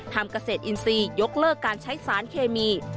เกษตรอินทรีย์ยกเลิกการใช้สารเคมี